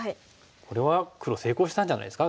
これは黒成功したんじゃないですか？